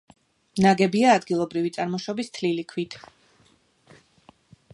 ნაგებია ადგილობრივი წარმოშობის თლილი ქვით.